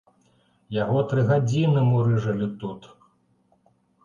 Яго тры гадзіны мурыжылі тут.